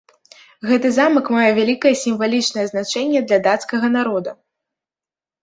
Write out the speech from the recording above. Гэты замак мае вялікае сімвалічнае значэнне для дацкага народа.